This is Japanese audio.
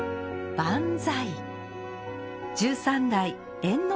「万歳！」